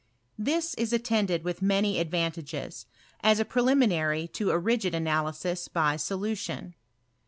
This il attended with many advantages, as a preliminary td a rigid analysis by solution.